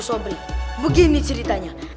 sobri begini ceritanya